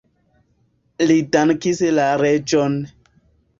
Li dankis la reĝon.